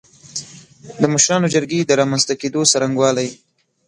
د مشرانو جرګې د رامنځ ته کېدو څرنګوالی